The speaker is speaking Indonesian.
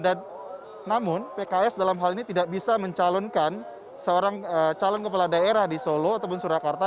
dan namun pks dalam hal ini tidak bisa mencalonkan seorang calon kepala daerah di solo atau surakarta